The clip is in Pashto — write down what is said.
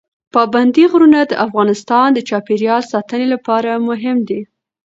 پابندی غرونه د افغانستان د چاپیریال ساتنې لپاره مهم دي.